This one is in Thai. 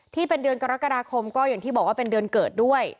ที่เป็นเดือนกรกฎาคมก็อย่างที่บอกว่าเป็นเดือนเกิดด้วย